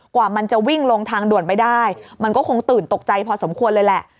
กว่ามันจะวิ่งลงทางด่วนไปได้มันก็คงตื่นตกใจพอสมควรเลยแหละ